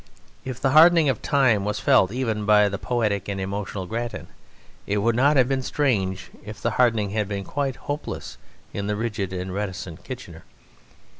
If the hardening of time was felt even by the poetic and emotional Grattan, it would not have been strange if the hardening had been quite hopeless in the rigid and reticent Kitchener.